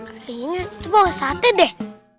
artinya itu bau sate deh